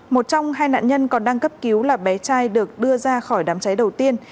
một trong hai nạn nhân còn đang cấp cứu là bé trai được đưa ra khỏi đám cháy đầu tiên